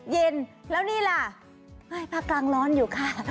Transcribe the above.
เย็นแล้วนี่ล่ะภาคกลางร้อนอยู่ค่ะ